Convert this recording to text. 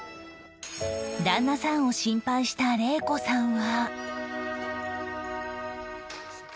旦那さんを心配した令子さんは